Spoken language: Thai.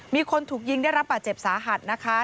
มีคนถูกยิงได้รับบาดเจ็บสาหัสนะคะ